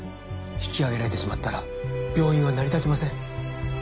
引き上げられてしまったら病院は成り立ちません。